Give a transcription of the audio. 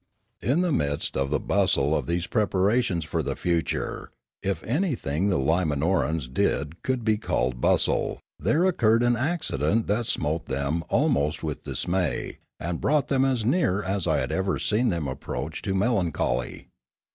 In the midst of the bustle of these preparations for the future (if anything the Limanorans did could be called bustle), there occurred an accident that smote them almost with dismay, and brought them as near as I had ever seen them approach to melancholy.